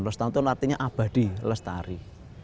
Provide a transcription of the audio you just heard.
lestantun artinya abadi lestari